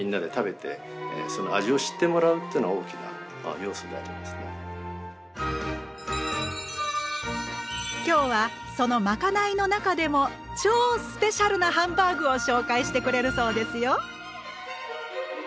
実際に今日はそのまかないの中でも超スペシャルなハンバーグを紹介してくれるそうですよ。